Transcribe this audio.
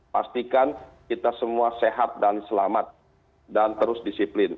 pastikan kita semua sehat dan selamat dan terus disiplin